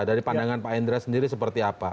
dari pandangan pak endra sendiri seperti apa